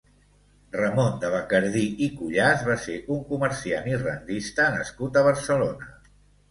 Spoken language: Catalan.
Ramon de Bacardí i Cuyàs va ser un comerciant i rendista nascut a Barcelona.